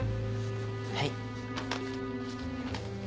はい。